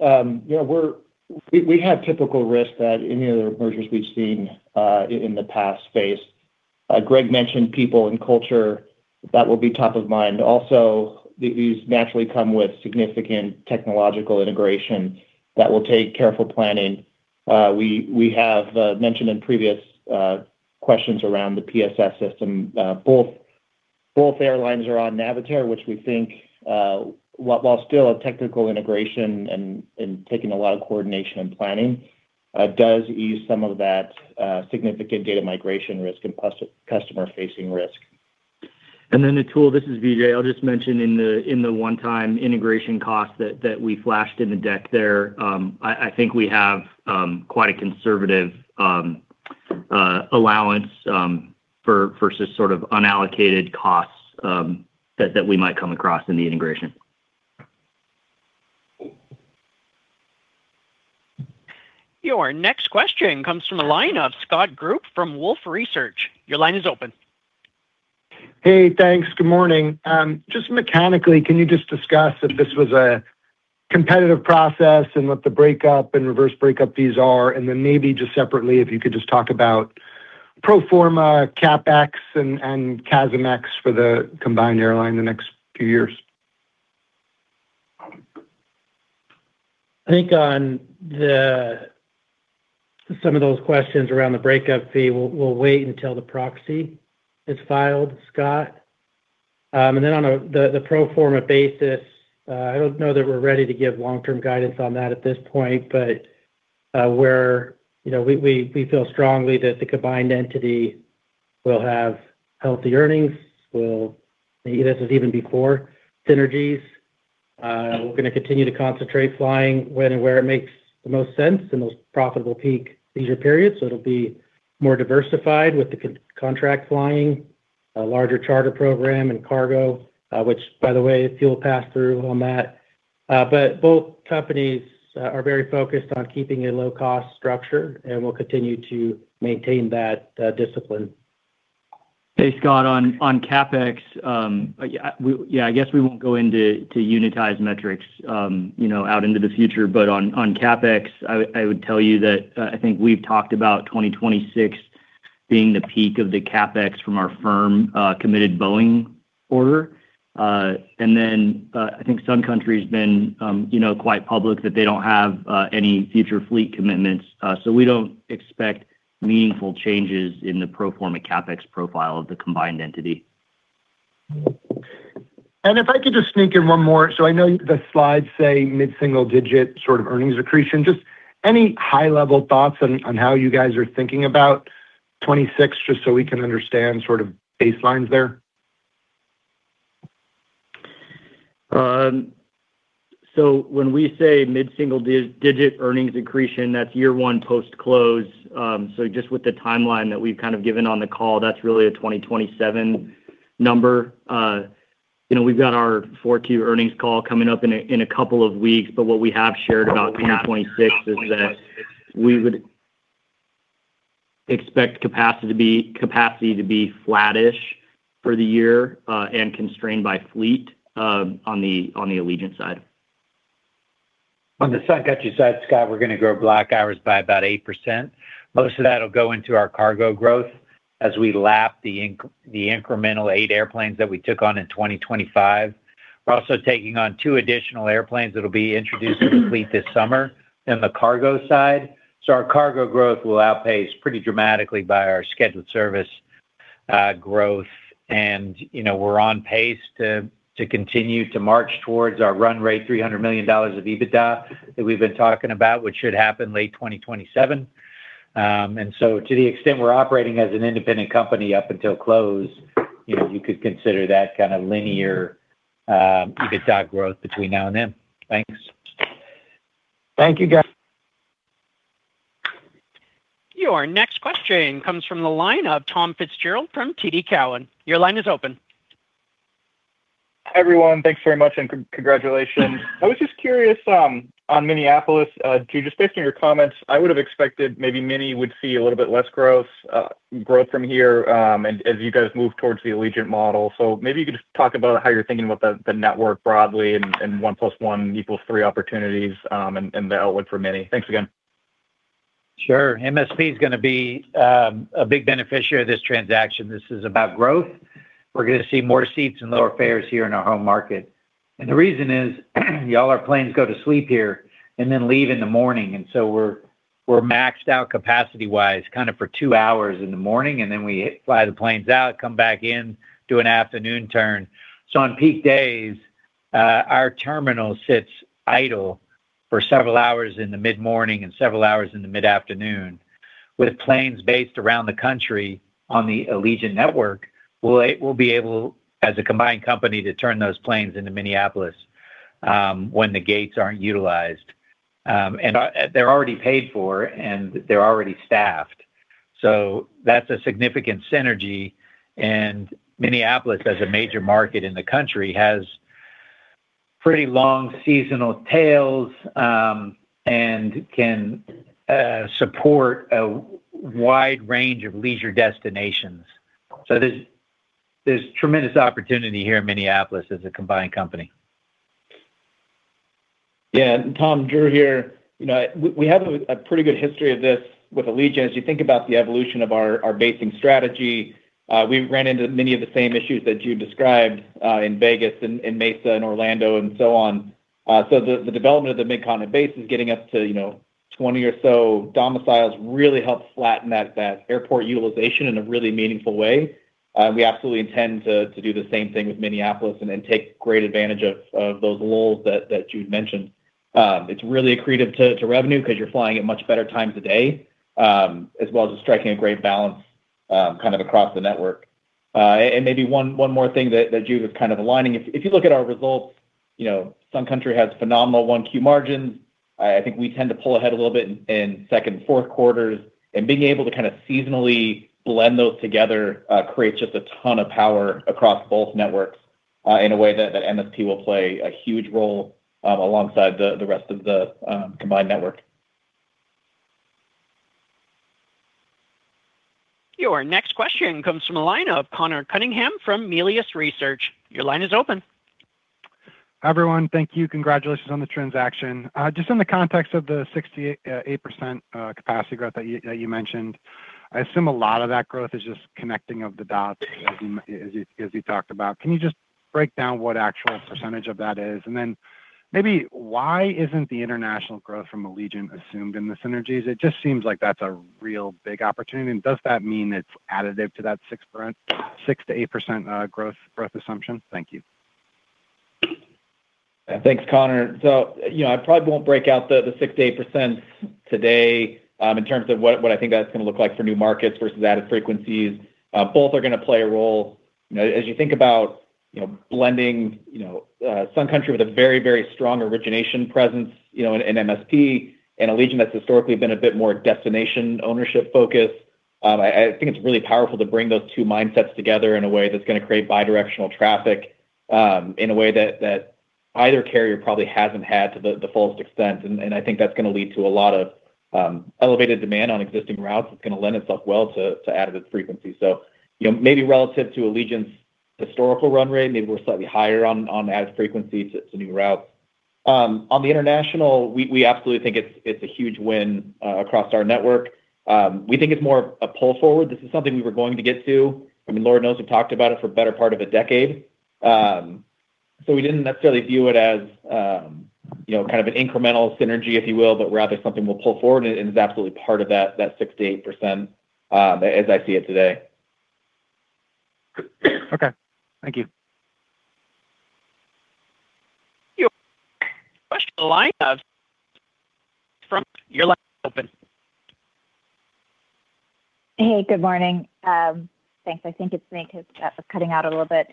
We have typical risks that any of the mergers we've seen in the past face. Greg mentioned people and culture. That will be top of mind. Also, these naturally come with significant technological integration that will take careful planning. We have mentioned in previous questions around the PSS system. Both airlines are on Navitaire, which we think, while still a technical integration and taking a lot of coordination and planning, does ease some of that significant data migration risk and customer-facing risk. And then, Atul, this is BJ. I'll just mention in the one-time integration cost that we flashed in the deck there, I think we have quite a conservative allowance versus sort of unallocated costs that we might come across in the integration. Your next question comes from a line of Scott Group from Wolfe Research. Your line is open. Hey, thanks. Good morning. Just mechanically, can you just discuss if this was a competitive process and what the breakup and reverse breakup fees are? And then maybe just separately, if you could just talk about pro forma, CapEx, and cash mix for the combined airline in the next few years. I think on some of those questions around the breakup fee, we'll wait until the proxy is filed, Scott. And then on the pro forma basis, I don't know that we're ready to give long-term guidance on that at this point, but we feel strongly that the combined entity will have healthy earnings. This was even before synergies. We're going to continue to concentrate flying when and where it makes the most sense in those profitable peak leisure periods. So it'll be more diversified with the contract flying, a larger charter program, and cargo, which, by the way, fuel passed through on that. But both companies are very focused on keeping a low-cost structure, and we'll continue to maintain that discipline. Hey, Scott, on CapEx, yeah, I guess we won't go into unitized metrics out into the future. But on CapEx, I would tell you that I think we've talked about 2026 being the peak of the CapEx from our firm-committed Boeing order. And then I think Sun Country has been quite public that they don't have any future fleet commitments. So we don't expect meaningful changes in the pro forma CapEx profile of the combined entity. And if I could just sneak in one more. So I know the slides say mid-single-digit sort of earnings accretion. Just any high-level thoughts on how you guys are thinking about 2026, just so we can understand sort of baselines there? So when we say mid-single-digit earnings accretion, that's year one post-close. So just with the timeline that we've kind of given on the call, that's really a 2027 number. We've got our '24 earnings call coming up in a couple of weeks. But what we have shared about 2026 is that we would expect capacity to be flattish for the year and constrained by fleet on the Allegiant side. On the Sun Country side, Scott, we're going to grow block hours by about 8%. Most of that will go into our cargo growth as we lap the incremental eight airplanes that we took on in 2025. We're also taking on two additional airplanes that will be introduced to the fleet this summer in the cargo side. So our cargo growth will outpace pretty dramatically by our scheduled service growth. And we're on pace to continue to march towards our run rate, $300 million of EBITDA that we've been talking about, which should happen late 2027. And so to the extent we're operating as an independent company up until close, you could consider that kind of linear EBITDA growth between now and then. Thanks. Thank you, guys. Your next question comes from the line of Tom Fitzgerald from TD Cowen. Your line is open. Hi, everyone. Thanks very much and congratulations. I was just curious on Minneapolis, just based on your comments. I would have expected maybe many would see a little bit less growth from here as you guys move towards the Allegiant model. So maybe you could just talk about how you're thinking about the network broadly and one plus one equals three opportunities and the outlook for MSP. Thanks again. Sure. MSP is going to be a big beneficiary of this transaction. This is about growth. We're going to see more seats and lower fares here in our home market. The reason is, y'all, our planes go to sleep here and then leave in the morning. So we're maxed out capacity-wise kind of for two hours in the morning, and then we fly the planes out, come back in, do an afternoon turn. So on peak days, our terminal sits idle for several hours in the mid-morning and several hours in the mid-afternoon. With planes based around the country on the Allegiant network, we'll be able, as a combined company, to turn those planes into Minneapolis when the gates aren't utilized. And they're already paid for, and they're already staffed. So that's a significant synergy. And Minneapolis, as a major market in the country, has pretty long seasonal tails and can support a wide range of leisure destinations. So there's tremendous opportunity here in Minneapolis as a combined company. Yeah. Tom, Drew here. We have a pretty good history of this with Allegiant. As you think about the evolution of our basing strategy, we ran into many of the same issues that you described in Vegas and Mesa and Orlando and so on. The development of the mid-continent base is getting up to 20 or so domiciles really helped flatten that airport utilization in a really meaningful way. We absolutely intend to do the same thing with Minneapolis and take great advantage of those lulls that you'd mentioned. It's really accretive to revenue because you're flying at much better times of day, as well as striking a great balance kind of across the network. And maybe one more thing that you have kind of aligning. If you look at our results, Sun Country has phenomenal Q1 margins. I think we tend to pull ahead a little bit in second and fourth quarters. And being able to kind of seasonally blend those together creates just a ton of power across both networks in a way that MSP will play a huge role alongside the rest of the combined network. Your next question comes from a line of Conor Cunningham from Melius Research. Your line is open. Hi, everyone. Thank you. Congratulations on the transaction. Just in the context of the 6%-8% capacity growth that you mentioned, I assume a lot of that growth is just connecting of the dots as you talked about. Can you just break down what actual percentage of that is? And then maybe why isn't the international growth from Allegiant assumed in the synergies? It just seems like that's a real big opportunity. And does that mean it's additive to that 6%-8% growth assumption? Thank you. Thanks, Conor. So I probably won't break out the 6%-8% today in terms of what I think that's going to look like for new markets versus added frequencies. Both are going to play a role. As you think about blending Sun Country with a very, very strong origination presence in MSP and Allegiant, that's historically been a bit more destination ownership focus. I think it's really powerful to bring those two mindsets together in a way that's going to create bidirectional traffic in a way that either carrier probably hasn't had to the fullest extent, and I think that's going to lead to a lot of elevated demand on existing routes. It's going to lend itself well to added frequency, so maybe relative to Allegiant's historical run rate, maybe we're slightly higher on added frequency to new routes. On the international, we absolutely think it's a huge win across our network. We think it's more of a pull forward. This is something we were going to get to. I mean, Lord knows we've talked about it for a better part of a decade. So we didn't necessarily view it as kind of an incremental synergy, if you will, but rather something we'll pull forward. And it's absolutely part of that 6%-8% as I see it today. Okay. Thank you. Your line is open. Hey, good morning. Thanks. I think it's me because I was cutting out a little bit.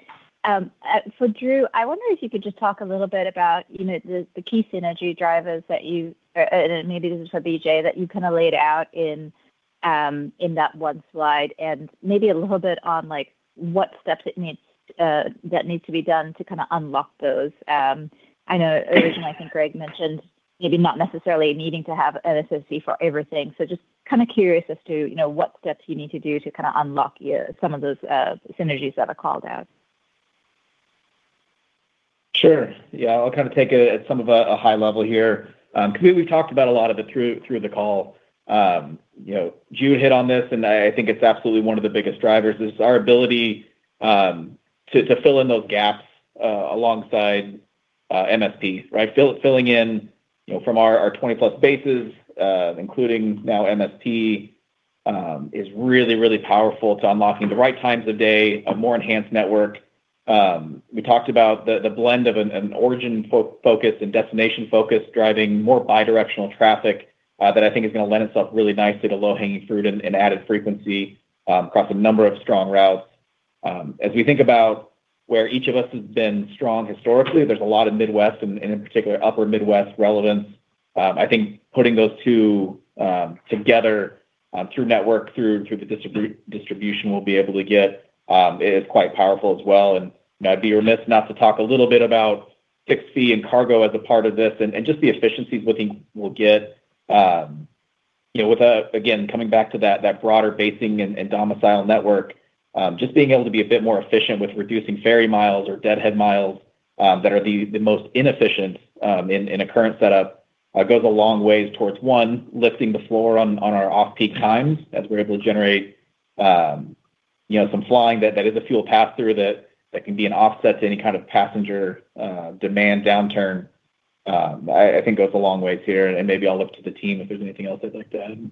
For Drew, I wonder if you could just talk a little bit about the key synergy drivers that you and maybe this is for BJ that you kind of laid out in that one slide and maybe a little bit on what steps that need to be done to kind of unlock those. I know originally, I think Greg mentioned maybe not necessarily needing to have an MSP for everything. So just kind of curious as to what steps you need to do to kind of unlock some of those synergies that are called out. Sure. Yeah. I'll kind of take it at some of a high level here. We've talked about a lot of it through the call. Jude hit on this, and I think it's absolutely one of the biggest drivers. It's our ability to fill in those gaps alongside MSP, right? Filling in from our 20-plus bases, including now MSP, is really, really powerful to unlocking the right times of day, a more enhanced network. We talked about the blend of an origin focus and destination focus driving more bidirectional traffic that I think is going to lend itself really nicely to low-hanging fruit and added frequency across a number of strong routes. As we think about where each of us has been strong historically, there's a lot of Midwest and in particular, Upper Midwest relevance. I think putting those two together through network, through the distribution we'll be able to get is quite powerful as well, and I'd be remiss not to talk a little bit about fixed-fee and cargo as a part of this and just the efficiencies we'll get. With, again, coming back to that broader basing and domicile network, just being able to be a bit more efficient with reducing ferry miles or deadhead miles that are the most inefficient in a current setup goes a long ways towards, one, lifting the floor on our off-peak times as we're able to generate some flying that is a fuel pass-through that can be an offset to any kind of passenger demand downturn. I think goes a long way here. Maybe I'll look to the team if there's anything else they'd like to add.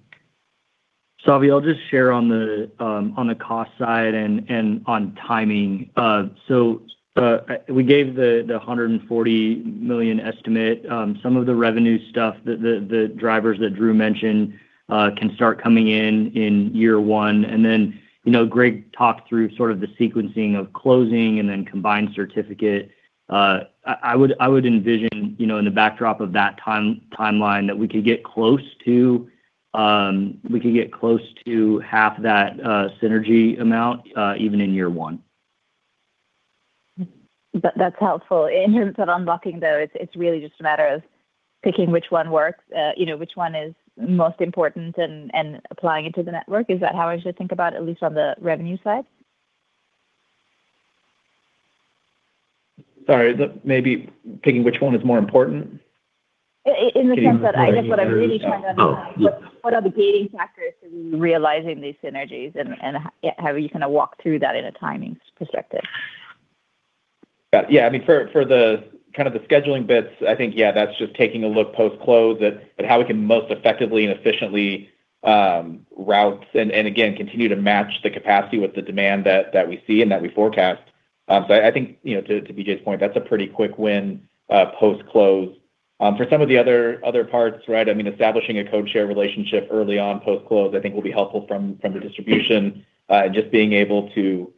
Savi, I'll just share on the cost side and on timing. We gave the $140 million estimate. Some of the revenue stuff, the drivers that Drew mentioned, can start coming in in year one. Greg talked through sort of the sequencing of closing and then combined certificate. I would envision in the backdrop of that timeline that we could get close to half that synergy amount even in year one. That's helpful. In terms of unlocking, though, it's really just a matter of picking which one works, which one is more important, and applying it to the network. Is that how I should think about it, at least on the revenue side? Sorry. Maybe picking which one is more important? In the sense that I guess what I'm really trying to understand, what are the gating factors to realizing these synergies? And how are you going to walk through that in a timing perspective? Yeah. I mean, for kind of the scheduling bits, I think, yeah, that's just taking a look post-close at how we can most effectively and efficiently route and, again, continue to match the capacity with the demand that we see and that we forecast. So I think, to BJ's point, that's a pretty quick win post-close. For some of the other parts, right, I mean, establishing a code-share relationship early on post-close, I think, will be helpful from the distribution and just being able to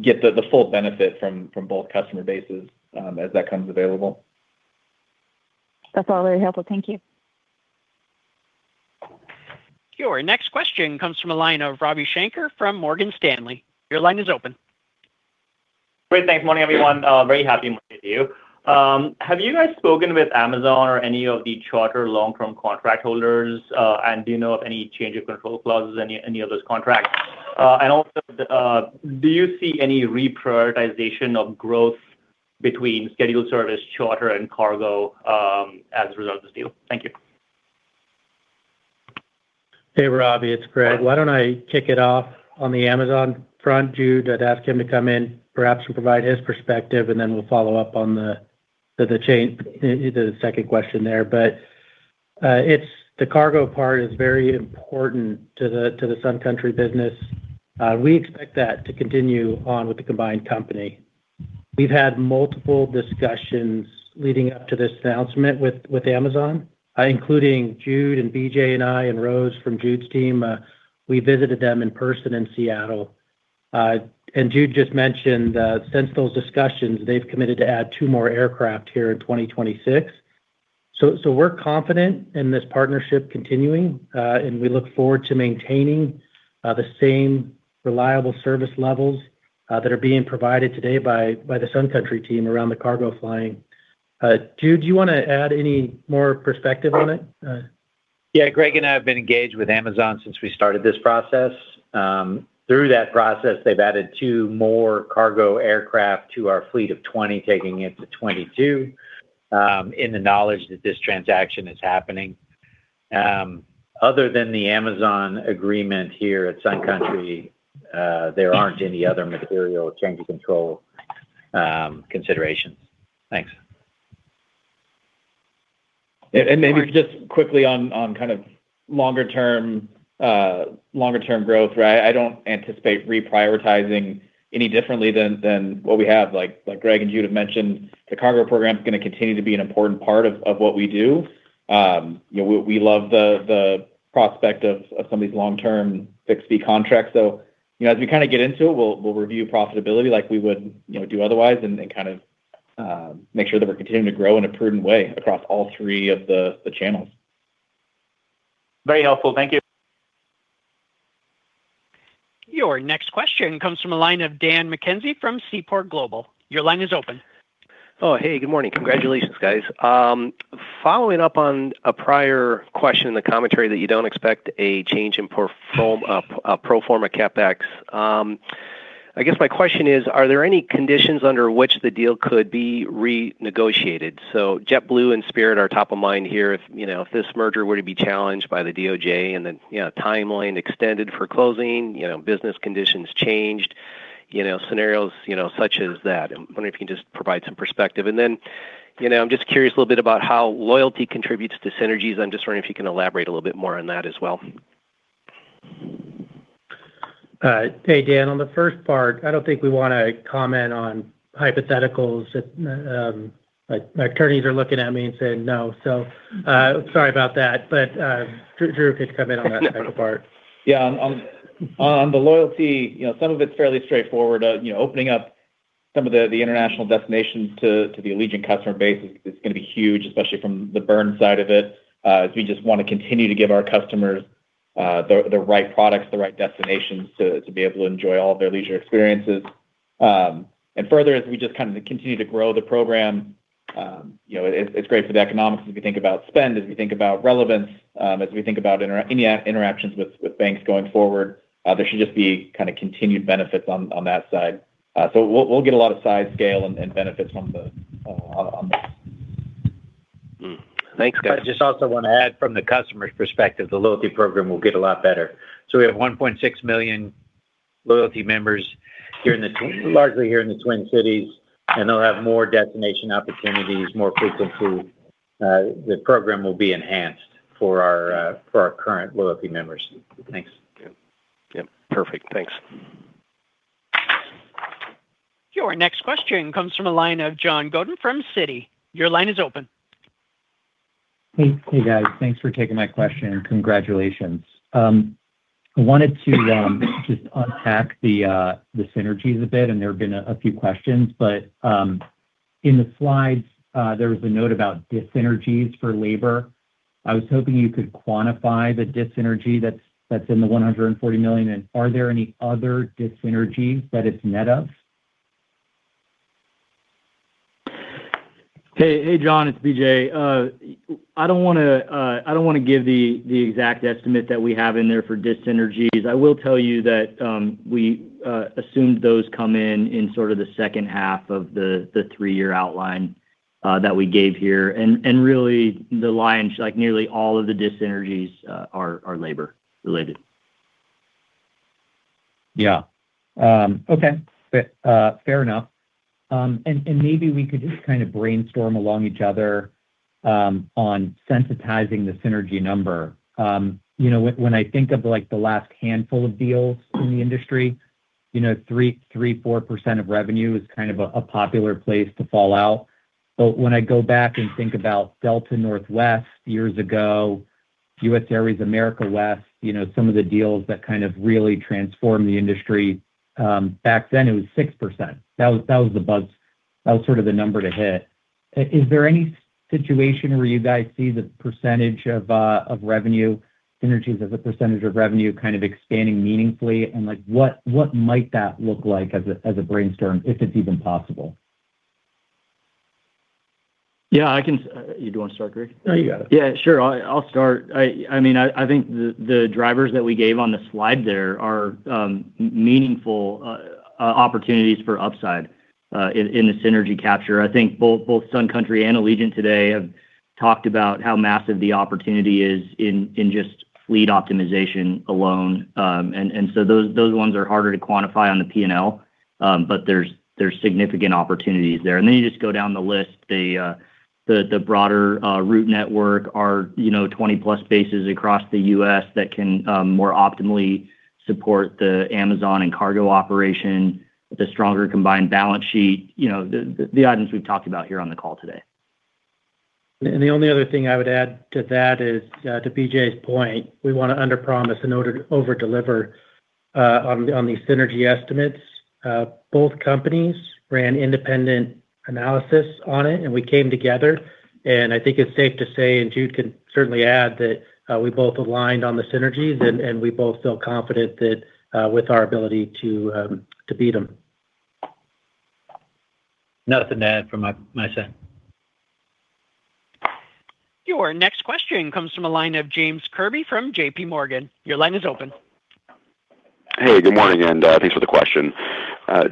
get the full benefit from both customer bases as that comes available. That's all very helpful. Thank you. Your next question comes from a line of Ravi Shanker from Morgan Stanley. Your line is open. Great. Thanks. Morning, everyone. Very happy morning to you. Have you guys spoken with Amazon or any of the charter long-term contract holders? And do you know of any change of control clauses in any of those contracts? And also, do you see any reprioritization of growth between scheduled service, charter, and cargo as a result of this deal? Thank you. Hey, Ravi. It's Greg. Why don't I kick it off on the Amazon front? Drew, I'd ask him to come in, perhaps provide his perspective, and then we'll follow up on the second question there, but the cargo part is very important to the Sun Country business. We expect that to continue on with the combined company. We've had multiple discussions leading up to this announcement with Amazon, including Jude and BJ and I and Rose from Jude's team. We visited them in person in Seattle, and Jude just mentioned since those discussions, they've committed to add two more aircraft here in 2026. So we're confident in this partnership continuing, and we look forward to maintaining the same reliable service levels that are being provided today by the Sun Country team around the cargo flying. Jude, do you want to add any more perspective on it? Yeah. Greg and I have been engaged with Amazon since we started this process. Through that process, they've added two more cargo aircraft to our fleet of 20, taking it to 22 in the knowledge that this transaction is happening. Other than the Amazon agreement here at Sun Country, there aren't any other material change of control considerations. Thanks. And maybe just quickly on kind of longer-term growth, right? I don't anticipate reprioritizing any differently than what we have. Like Greg and Jude have mentioned, the cargo program is going to continue to be an important part of what we do. We love the prospect of some of these long-term six-year fee contracts. So as we kind of get into it, we'll review profitability like we would do otherwise and kind of make sure that we're continuing to grow in a prudent way across all three of the channels. Very helpful. Thank you. Your next question comes from a line of Dan McKenzie from Seaport Global. Your line is open. Oh, hey. Good morning. Congratulations, guys. Following up on a prior question in the commentary that you don't expect a change in pro forma CapEx, I guess my question is, are there any conditions under which the deal could be renegotiated? JetBlue and Spirit are top of mind here if this merger were to be challenged by the DOJ and then timeline extended for closing, business conditions changed, scenarios such as that. I'm wondering if you can just provide some perspective. I'm just curious a little bit about how loyalty contributes to synergies. I'm just wondering if you can elaborate a little bit more on that as well. Hey, Dan, on the first part, I don't think we want to comment on hypotheticals. My attorneys are looking at me and saying, "No." So sorry about that. Drew could come in on that type of part. Yeah. On the loyalty, some of it's fairly straightforward. Opening up some of the international destinations to the Allegiant customer base is going to be huge, especially from the burn side of it, as we just want to continue to give our customers the right products, the right destinations to be able to enjoy all of their leisure experiences. And further, as we just kind of continue to grow the program, it's great for the economics as we think about spend, as we think about relevance, as we think about any interactions with banks going forward. There should just be kind of continued benefits on that side. So we'll get a lot of size, scale, and benefits on this. Thanks, guys. I just also want to add from the customer's perspective, the loyalty program will get a lot better. So we have 1.6 million loyalty members largely here in the Twin Cities, and they'll have more destination opportunities, more frequency. The program will be enhanced for our current loyalty members. Thanks. Yep. Perfect. Thanks. Your next question comes from a line of John Godin from Citi. Your line is open. Hey, guys. Thanks for taking my question. Congratulations. I wanted to just unpack the synergies a bit, and there have been a few questions. But in the slides, there was a note about dissynergies for labor. I was hoping you could quantify the dissynergy that's in the $140 million. And are there any other dissynergies that it's net of? Hey, John, it's BJ. I don't want to give the exact estimate that we have in there for dissynergies. I will tell you that we assumed those come in sort of the second half of the three-year outline that we gave here. And really, nearly all of the dissynergies are labor-related. Yeah. Okay. Fair enough. And maybe we could just kind of brainstorm along each other on sensitizing the synergy number. When I think of the last handful of deals in the industry, 3-4% of revenue is kind of a popular place to fall out. But when I go back and think about Delta Northwest years ago, US Airways America West, some of the deals that kind of really transformed the industry, back then, it was 6%. That was the buzz. That was sort of the number to hit. Is there any situation where you guys see the percentage of revenue, synergies as a percentage of revenue, kind of expanding meaningfully? And what might that look like as a brainstorm, if it's even possible? Yeah. You do want to start, Greg? No, you got it. Yeah. Sure. I'll start. I mean, I think the drivers that we gave on the slide there are meaningful opportunities for upside in the synergy capture. I think both Sun Country and Allegiant today have talked about how massive the opportunity is in just fleet optimization alone. And so those ones are harder to quantify on the P&L, but there's significant opportunities there. And then you just go down the list. The broader route network are 20-plus bases across the U.S. that can more optimally support the Amazon and cargo operation, the stronger combined balance sheet, the items we've talked about here on the call today. The only other thing I would add to that is, to BJ's point, we want to underpromise and overdeliver on these synergy estimates. Both companies ran independent analysis on it, and we came together. I think it's safe to say, and Jude can certainly add, that we both aligned on the synergies, and we both feel confident with our ability to beat them. Nothing to add from my side. Your next question comes from a line of James Kirby from JPMorgan. Your line is open. Hey, good morning, and thanks for the question.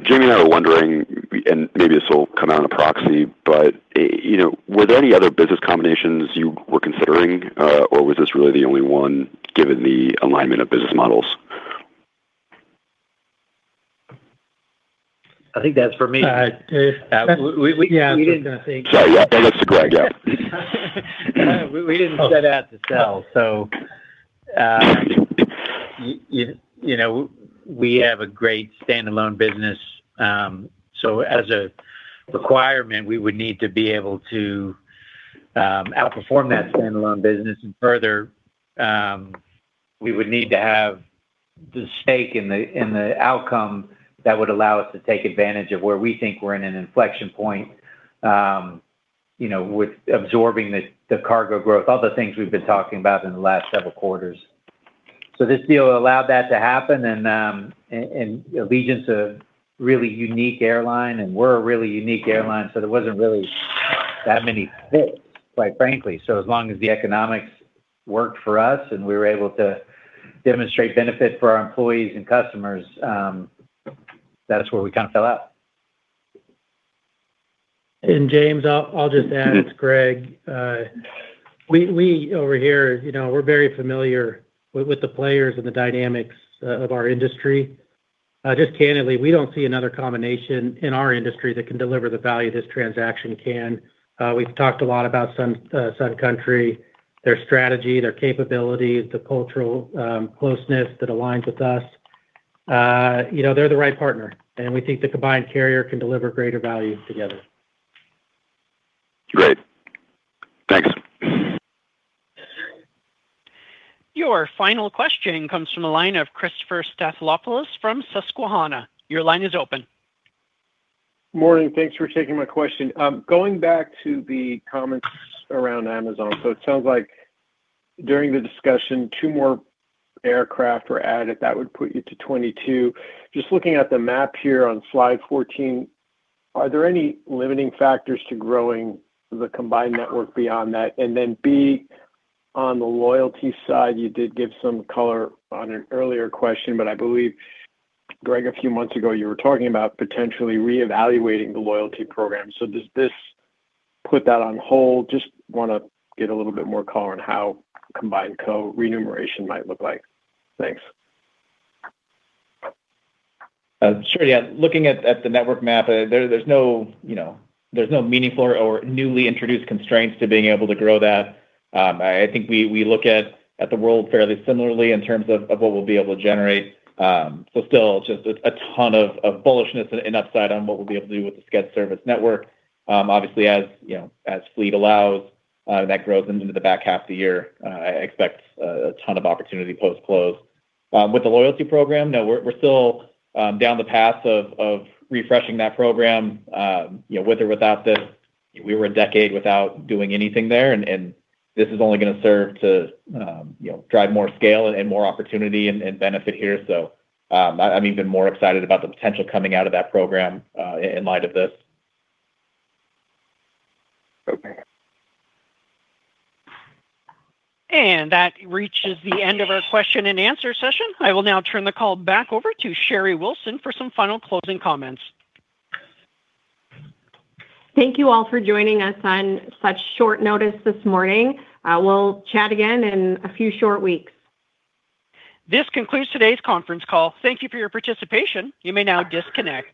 Jamie and I were wondering, and maybe this will come out in a proxy, but were there any other business combinations you were considering, or was this really the only one given the alignment of business models? I think that's for me. We're not going to say. Sorry. That goes to Greg. Yeah. We didn't set out to sell, so. We have a great standalone business. So as a requirement, we would need to be able to outperform that standalone business. And further, we would need to have the stake in the outcome that would allow us to take advantage of where we think we're in an inflection point with absorbing the cargo growth, all the things we've been talking about in the last several quarters. So this deal allowed that to happen. And Allegiant's a really unique airline, and we're a really unique airline, so there wasn't really that many fits, quite frankly. So as long as the economics worked for us and we were able to demonstrate benefit for our employees and customers, that's where we kind of fell out. And James, I'll just add, it's Greg. We over here, we're very familiar with the players and the dynamics of our industry. Just candidly, we don't see another combination in our industry that can deliver the value this transaction can. We've talked a lot about Sun Country, their strategy, their capabilities, the cultural closeness that aligns with us. They're the right partner. And we think the combined carrier can deliver greater value together. Great. Thanks. Your final question comes from a line of Christopher Stathoulopoulos from Susquehanna. Your line is open. Morning. Thanks for taking my question. Going back to the comments around Amazon, so it sounds like during the discussion, two more aircraft were added. That would put you to 22. Just looking at the map here on slide 14, are there any limiting factors to growing the combined network beyond that? And then B, on the loyalty side, you did give some color on an earlier question, but I believe, Greg, a few months ago, you were talking about potentially reevaluating the loyalty program. So does this put that on hold? Just want to get a little bit more color on how combined co-remuneration might look like. Thanks. Sure. Yeah. Looking at the network map, there's no meaningful or newly introduced constraints to being able to grow that. I think we look at the world fairly similarly in terms of what we'll be able to generate. So still, just a ton of bullishness and upside on what we'll be able to do with the scheduled service network. Obviously, as fleet allows, that grows into the back half of the year. I expect a ton of opportunity post-close. With the loyalty program, no, we're still down the path of refreshing that program with or without this. We were a decade without doing anything there, and this is only going to serve to drive more scale and more opportunity and benefit here. So I'm even more excited about the potential coming out of that program in light of this. Okay. And that reaches the end of our question and answer session. I will now turn the call back over to Sherry Wilson for some final closing comments. Thank you all for joining us on such short notice this morning. We'll chat again in a few short weeks. This concludes today's conference call. Thank you for your participation. You may now disconnect.